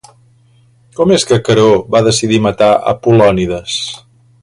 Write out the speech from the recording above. Com és que Queró va decidir matar Apol·lònides?